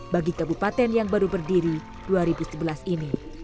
bagi kabupaten yang baru berdiri dua ribu sebelas ini